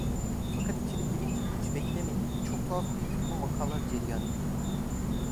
Fakat içeriye girince hiç beklemediğim, çok tuhaf birtakım vakalar cereyan etti.